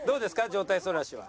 上体反らしは。